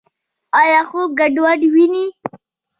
ایا خوب ګډوډ وینئ؟